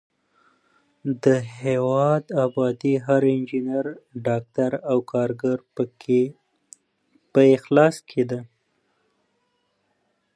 د هېواد ابادي د هر انجینر، ډاکټر او کارګر په اخلاص کې ده.